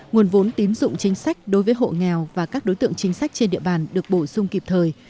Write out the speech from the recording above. nguồn vốn tín dụng chính sách đối với hộ nghèo và các đối tượng chính sách trên địa bàn được bổ sung kịp thời